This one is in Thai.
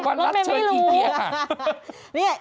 เพราะว่ารับเชิญอีเกียร์ค่ะ